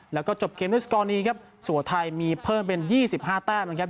แล้วก็จบเกมด้วยสกอร์นี้ครับส่วนไทยมีเพิ่มเป็นยี่สิบห้าแต้มนะครับ